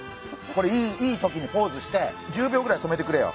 これいい時にポーズして１０秒ぐらい止めてくれよ。